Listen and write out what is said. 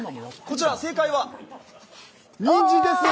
正解はこちら、にんじんです！